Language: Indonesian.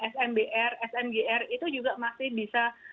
smbr smgr itu juga masih bisa